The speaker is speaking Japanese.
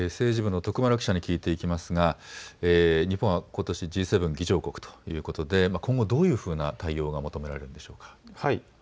政治部の徳丸記者に聞いていきますが、日本はことしＧ７議長国ということで今後どういう対応が求められるのでしょうか。